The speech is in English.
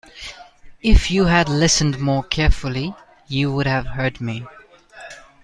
If you had listened more carefully, you would have heard me.